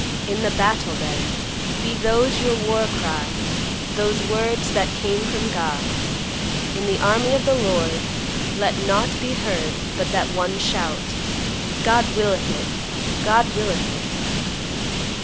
In the battle, then, be those your war cry, those words that came from God; in the army of the Lord let nought be heard but that one shout, 'God willeth it! God willeth it!